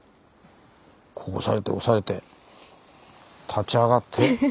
こう押されて押されて立ち上がって。